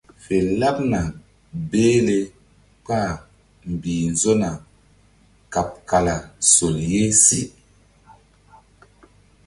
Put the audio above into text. Fe laɓna behle kpah mbih nzona kaɓ kala sol ye se.